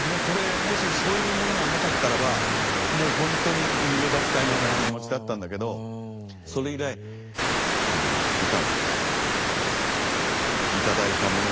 もしそういうものがなかったらばもうほんとに逃げ出したいような気持ちだったんだけどそれ以来歌は頂いたもの。